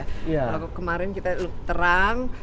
kalau kemarin kita terang